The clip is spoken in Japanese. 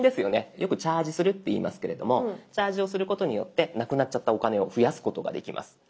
よく「チャージする」っていいますけれどもチャージをすることによってなくなっちゃったお金を増やすことができます。